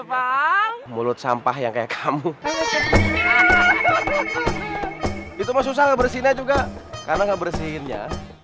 bang mulut sampah yang kayak kamu itu susah bersihnya juga karena gak bersihinnya